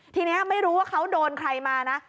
ทีนี้ไม่รู้ว่าเขาโดนใครมานะ